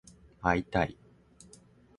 会いたい